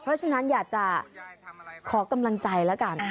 เพราะฉะนั้นอยากจะขอกำลังใจแล้วกัน